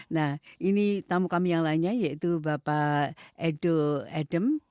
nah ini tamu kami yang lainnya yaitu bapak edo edem